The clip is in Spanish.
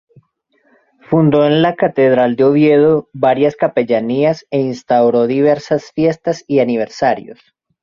Fundó en la Catedral de Oviedo varias capellanías e instauró diversas fiestas y aniversarios.